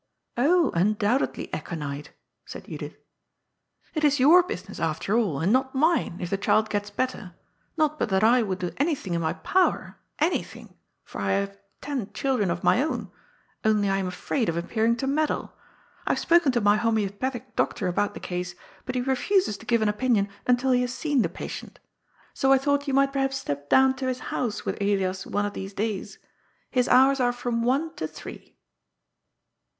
" Oh, undoubtedly aconite !" said Judith. " It is your business, after all, and not mine, if the child gets better. Not but that I would do anything in my pow er, anything — for I have ten children of my own — only I am afraid of appearing to meddle. I have spoken to my homoeopathic doctor about the case, but he refuses to give an opinion until he has seen the patient. So I thought you might perhaps step down to his house with Elias one of these days. His hours are from one to three."